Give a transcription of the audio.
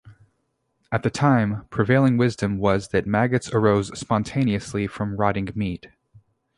At the time, prevailing wisdom was that maggots arose spontaneously from rotting meat.